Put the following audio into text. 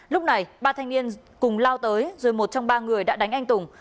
lúc này ba thanh niên cùng lao tới rồi một trong ba người đã đánh anh tùng